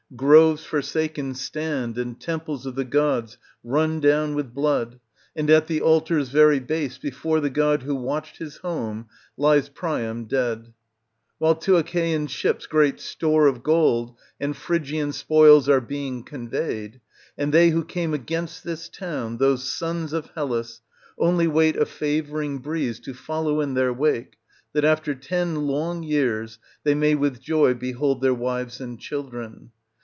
Groves forsaken stand and temples of the gods run down with blood, and at the altar's very base, before the god who watched his home, lies Priam dead. While to Achaean ships great store of gold and Phrygian spoils are being conveyed, and they who came against this town, those sons of Hellas, only wait a favouring breeze to follow in their wake, that after ten long years they may with joy behold their wives and children.